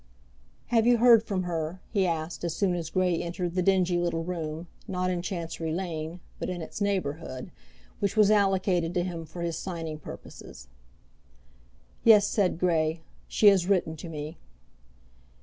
"Have you heard from her?" he asked as soon as Grey entered the dingy little room, not in Chancery Lane, but in its neighbourhood, which was allocated to him for his signing purposes. "Yes," said Grey; "she has written to me."